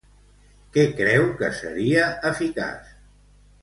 Què creu que seria eficaç?